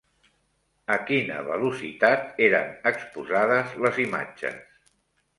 A quina velocitat eren exposades les imatges?